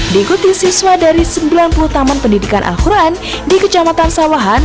diikuti siswa dari sembilan puluh taman pendidikan al quran di kecamatan sawahan